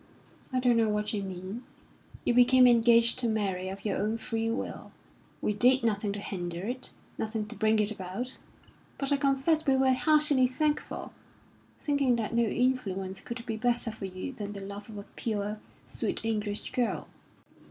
"I don't know what you mean. You became engaged to Mary of your own free will; we did nothing to hinder it, nothing to bring it about. But I confess we were heartily thankful, thinking that no influence could be better for you than the love of a pure, sweet English girl."